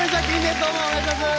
どうもお願いします。